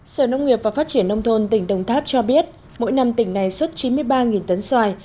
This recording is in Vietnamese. sở nông nghiệp và phát triển nông thôn tỉnh đồng tháp cho biết mỗi năm tỉnh này xuất chín mươi ba tấn xoài